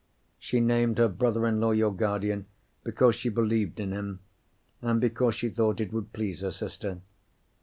She named her brother in law your guardian because she believed in him, and because she thought it would please her sister.